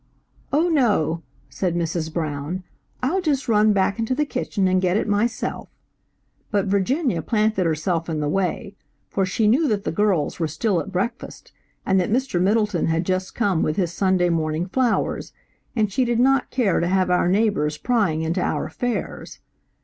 "Oh, no," said Mrs. Brown, "I'll just run back into the kitchen and get it myself"; but Virginia planted herself in the way, for she knew that the girls were still at breakfast, and that Mr. Middleton had just come with his Sunday morning flowers, and she did not care to have our neighbors prying into our affairs.